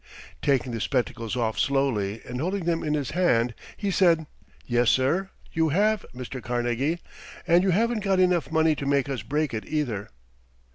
Taking the spectacles off slowly, and holding them in his hand, he said: "Yes, sir, you have, Mr. Carnegie, and you haven't got enough money to make us break it either."